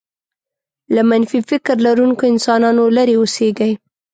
له منفي فکر لرونکو انسانانو لرې اوسېږئ.